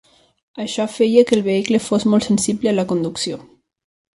Això feia que el vehicle fos molt sensible a la conducció.